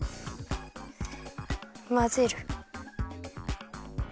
まぜる。